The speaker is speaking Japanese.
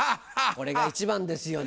これが一番ですよね。